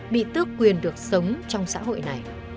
bị tước quyền được sống trong xã hội này